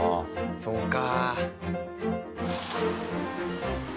そうか。